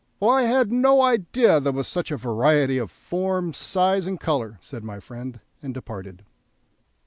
"Well, I had no idea there was such a variety of form, size, and colour," said my friend, and departed.